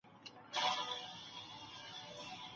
پنډي باید په اوږه باندي ګڼ توکي راوړي.